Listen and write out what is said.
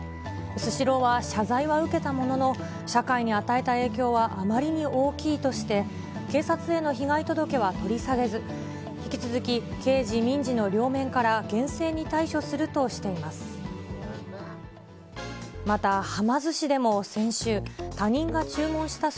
スシローは謝罪は受けたものの、社会に与えた影響はあまりに大きいとして、警察への被害届は取り下げず、引き続き、刑事、民事の両面から厳正に対処するとしています。